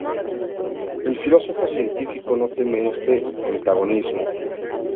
El filósofo científico no teme este antagonismo.